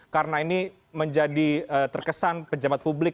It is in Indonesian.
karena ini menjadi terkesan pejabat publik